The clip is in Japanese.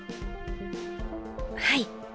はい。